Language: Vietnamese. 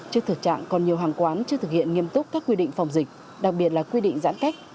trước thực trạng còn nhiều hàng quán chưa thực hiện nghiêm túc các quy định phòng dịch đặc biệt là quy định giãn cách